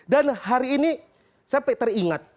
dan hari ini saya teringat